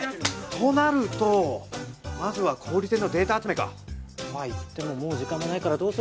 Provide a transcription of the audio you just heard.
となるとまずは小売店のデータ集めか。とはいってももう時間もないからどうするかだな。